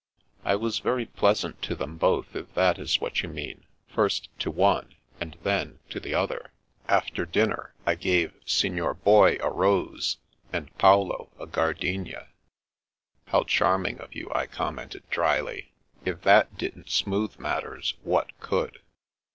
" I was very pleasant to them both, if that is what you mean, first to one and then to the other. After dinner, I gave Signor Boy a rose, and Paolo a gardenia." " How charming of you," I commented drily. " If that didn't smooth matters, what could